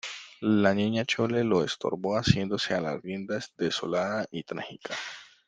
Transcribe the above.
la Niña Chole lo estorbó asiéndose a las riendas desolada y trágica: